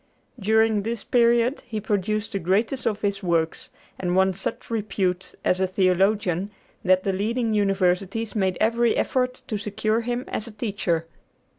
During this period he produced the greatest of his works, and won such repute as a theologian that the leading universities made every effort to secure him as a teacher.